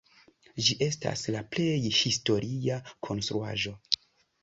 Ĝi estas la plej historia konstruaĵo.